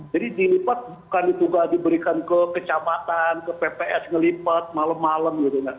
jadi dilipat bukan juga diberikan ke kecamatan ke pps ngelipat malem malem gitu